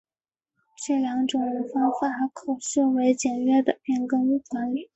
这两种方法可视为简约的变更管理。